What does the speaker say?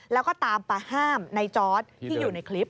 แล้วก็ตามมาห้ามในจอร์ดที่อยู่ในคลิป